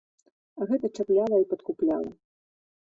Гэта чапляла і падкупляла.